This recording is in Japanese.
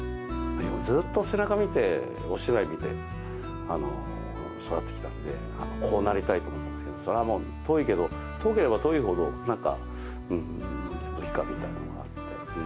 ずっと背中見て、お芝居見て育ってきたんで、こうなりたいと思ってますけど、それはもう遠いけど、遠ければ遠いほど、なんか、うーん、いつの日かみたいなのがあって。